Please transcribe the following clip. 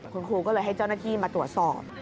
คุณครูก็เลยให้เจ้าหน้าที่มาตรวจสอบ